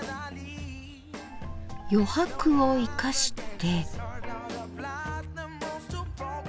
余白を生かして。